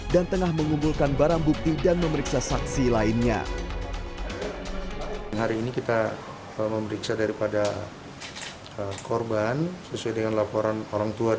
dan tengah mengumpulkan barang bukti dan mencari penyelamat